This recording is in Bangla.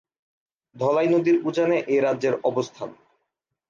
ধলাই নদীর উজানে এ রাজ্যের অবস্থান।